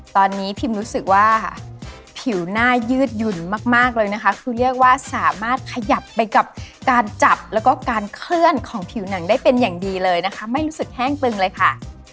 ตอนนี้พิมรู้สึกว่าผิวหน้ายืดหยุ่นมากเลยนะคะคือเรียกว่าสามารถขยับไปกับการจับแล้วก็การเคลื่อนของผิวหนังได้เป็นอย่างดีเลยนะคะไม่รู้สึกแห้งตึงเลยค่ะ